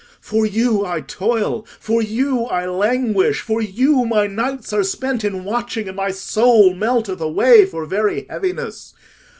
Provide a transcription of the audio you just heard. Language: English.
For you I toil, for you I languish, for you my nights are spent in watching, and my soul melteth away for very heaviness.